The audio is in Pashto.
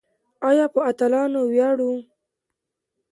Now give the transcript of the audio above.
آیا په اتلانو ویاړو؟